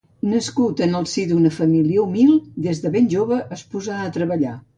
Nascut en el si d'una família humil, des de ben jove es posà a treballar.